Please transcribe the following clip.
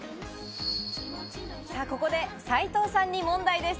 ここで斉藤さんに問題です。